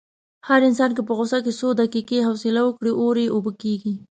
هر انسان که په غوسه کې څو دقیقې حوصله وکړي، اور یې اوبه کېږي.